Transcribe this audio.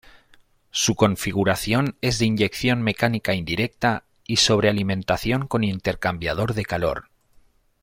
Su configuración es de inyección mecánica indirecta y sobrealimentación con intercambiador de calor.